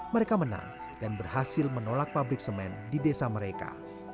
mereka menang dan berhasil menolak pabrik semen di desa mereka